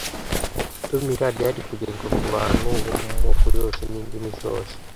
tumira ryari kugezwa ku bantu bo mu moko yose n indimi zose